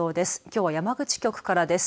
きょうは山口局からです。